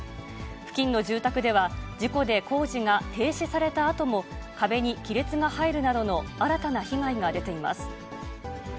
付近の住宅では、事故で工事が停止されたあとも、壁に亀裂が入るなどの新たな被害が出ています。